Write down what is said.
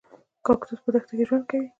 کاکتوس په دښته کې ژوند کوي